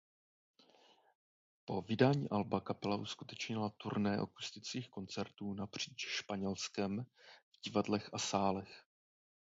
Po vydání alba kapela uskutečnila turné akustických koncertů napříč Španělskem v divadlech a sálech.